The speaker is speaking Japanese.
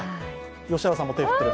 良原さんも外で手を振ってる。